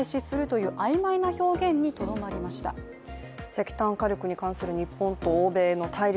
石炭火力に関する、日本と欧米の対立